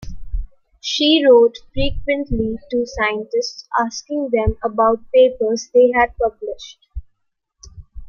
She wrote frequently to scientists, asking them about papers they had published.